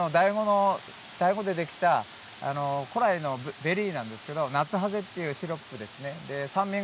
大子でできた古来のベリーなんですけれどもナツハゼというシロップですね。